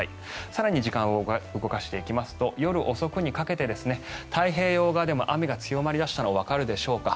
更に時間を動かしていきますと夜遅くにかけて太平洋側でも雨が強まり出したのわかるでしょうか。